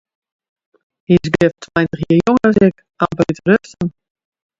Hy is grif tweintich jier jonger as ik, amper út de ruften.